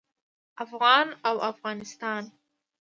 افغان او افغانستان